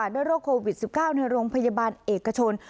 โรคโควิด๑๙ในโรงพยาบาลเอกชน